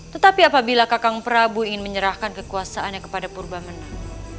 tetapi apabila kakang prabu ingin menyerahkan kekuasaannya kepada purba menang